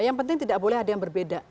yang penting tidak boleh ada yang berbeda